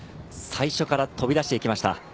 最初から飛び出していきました。